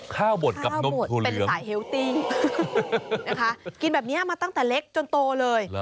ข้าวหมดกับนมทุเรียมนะคะกินแบบนี้มาตั้งแต่เล็กจนโตเลย